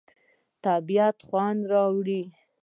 طبیعت خوند راوړي.